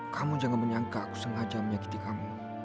kamu jangan menyangka aku sengaja menyakiti kamu